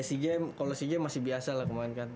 eh si game kalo si game masih biasa lah kemaren kan